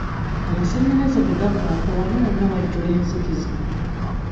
Amasannyalaze bwe gavaako wano wonna wajjula enzikiza.